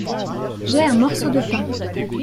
J'ai un morceau de pain.